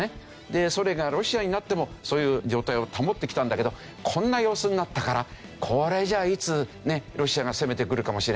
でソ連がロシアになってもそういう状態を保ってきたんだけどこんな様子になったからこれじゃあいつロシアが攻めてくるかもしれない。